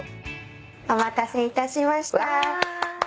お待たせいたしました。